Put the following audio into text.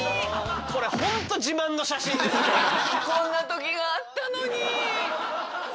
こんな時があったのに。